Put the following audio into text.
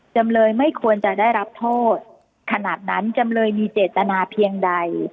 จำเลยไม่ควรจะได้รับโทษขนาดนั้นจำเลยมีเจตนาเพียงใด